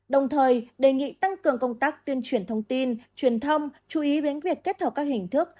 đồng thời đề nghị tăng cường công tác tuyên truyền thông tin truyền thông chú ý đến việc kết hợp các hình thức